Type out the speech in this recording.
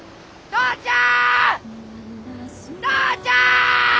お父ちゃん！